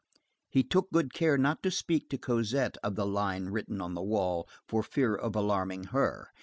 He took good care not to speak to Cosette of the line written on the wall, for fear of alarming her.